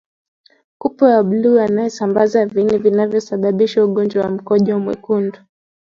kupe wa bluu anayesambaza viini vinavyosababisha ugonjwa wa mkojo mwekundu